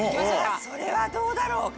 いやそれはどうだろうか？